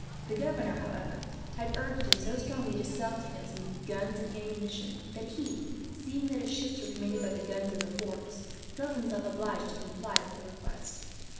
The governor, however, had urged him so strongly to sell to him some guns and ammunition that he, seeing that his ships were commanded by the guns of the forts, felt himself obliged to comply with the request.